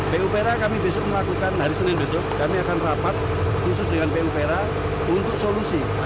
pupera kami besok melakukan hari senin besok kami akan rapat khusus dengan pupera untuk solusi